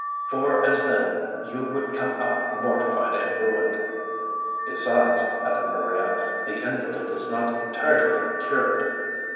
for as then, you would come out mortified and ruined." "Besides," added Maria, "the invalid is not yet entirely cured."